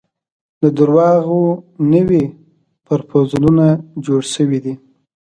د درواغو نوي پرفوزلونه جوړ شوي دي.